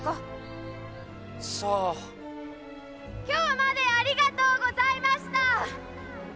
今日までありがとうございました！